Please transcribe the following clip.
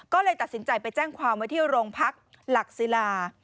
ก็เลยตัดสินใจไปแจ้งความไว้ที่โรงพักหลักศิลา